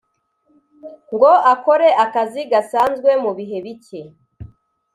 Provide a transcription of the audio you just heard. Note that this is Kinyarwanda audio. ngo akore akazi gasanzwe mu bihe bike